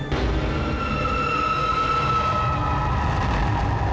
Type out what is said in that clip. misalnya biasanya nawet tuh kaki kayak abis culer ini